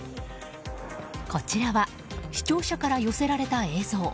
こちらは視聴者から寄せられた映像。